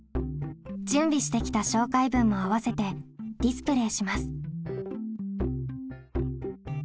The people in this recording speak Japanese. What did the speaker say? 準備してきた紹介文も合わせてディスプレーします。